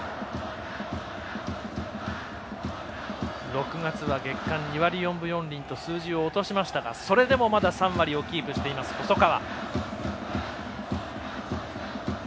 ６月は月間２割４分４厘と数字を落としましたがそれでもまだ３割をキープしています、細川。